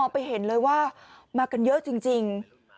ไปเห็นเลยว่ามากันเยอะจริง